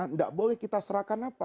tidak boleh kita serahkan apa